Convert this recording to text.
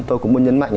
tôi cũng muốn nhấn mạnh